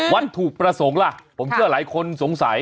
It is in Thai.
วัตถุประสงค์ล่ะผมเชื่อหลายคนสงสัย